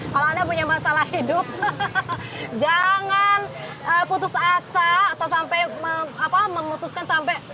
kalau anda punya masalah hidup jangan putus asa atau sampai memutuskan sampai